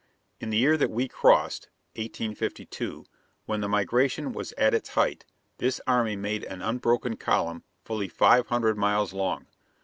In the year that we crossed (1852), when the migration was at its height, this army made an unbroken column fully five hundred miles long.